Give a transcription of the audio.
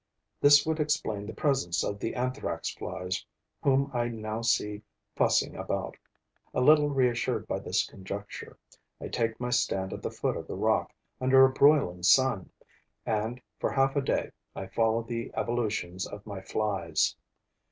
This would explain the presence of the Anthrax flies whom I now see fussing about. A little reassured by this conjecture, I take my stand at the foot of the rock, under a broiling sun; and, for half a day, I follow the evolutions of my flies.